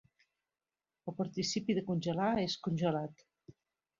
El participi de congelar és congelat.